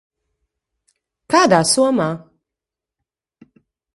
Kādā somā?